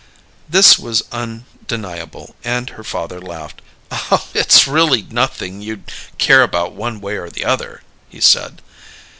This was undeniable, and her father laughed. "It's really nothing you'd care about one way or the other," he said.